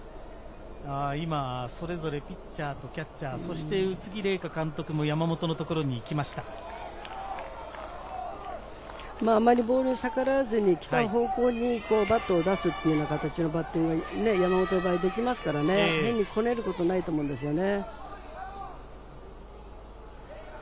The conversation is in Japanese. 今それぞれピッチャーとキャッチャー、そして宇津木麗華監督も山あまりボールに逆らわずに来た方向にバットを出すっていうような形のバッティングが山本はできますから変に止めることはないと思うんですよね。